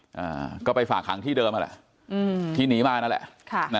อ่าก็ไปฝากหางที่เดิมนั่นแหละอืมที่หนีมานั่นแหละค่ะนะ